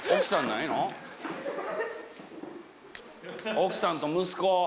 奥さんと息子。